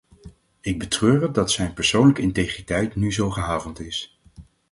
Ik betreur het dat zijn persoonlijke integriteit nu zo gehavend is.